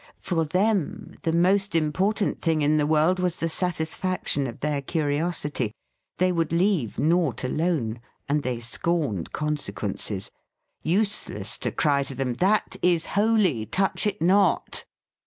For them the most important thing in the world was the satisfaction of their curiosity. They would leave naught alone; and they scorned consequences. Useless to cry to them: "That is holy. Touch it not!"